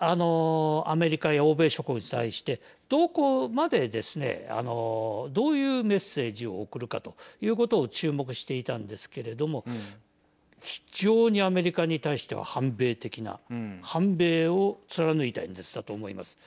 アメリカや欧米諸国に対してどこまでですねどういうメッセージを送るかということを注目していたんですけれども非常にアメリカに対して反米的な反米を貫いた演説だと思います。